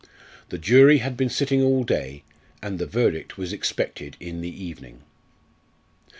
The jury had been sitting all day, and the verdict was expected in the evening.